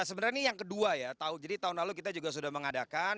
jadi sebenarnya ini yang kedua ya tahun lalu kita juga sudah mengadakan